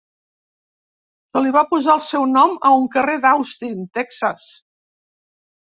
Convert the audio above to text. Se li va posar el seu nom a un carrer d'Austin, Texas.